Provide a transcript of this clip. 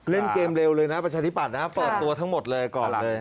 เล่นเกมเร็วเลยนะประชาธิบัตย์นะเปิดตัวทั้งหมดเลยก่อนหลังเลย